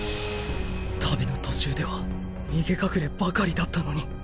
旅の途中では逃げ隠ればかりだったのに